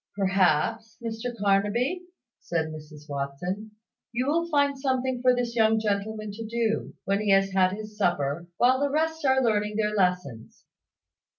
"Perhaps, Mr Carnaby," said Mrs Watson, "you will find something for this young gentleman to do, when he has had his supper, while the rest are learning their lessons.